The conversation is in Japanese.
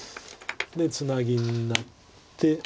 でツナギになって。